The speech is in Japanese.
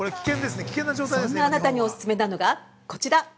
◆そんなあなたにお勧めなのがこちら！